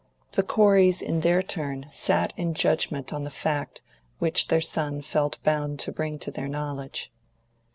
The Coreys in their turn sat in judgment on the fact which their son felt bound to bring to their knowledge.